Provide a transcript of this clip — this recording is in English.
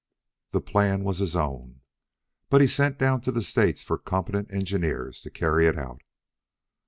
The plan was his own, but he sent down to the States for competent engineers to carry it out.